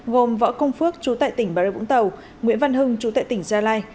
gồm võ công phước chú tại tỉnh bà rê vũng tàu nguyễn văn hưng chú tệ tỉnh gia lai